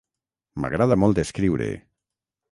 M'agrada molt escriure.